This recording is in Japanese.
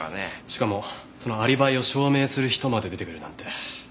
しかもそのアリバイを証明する人まで出てくるなんて。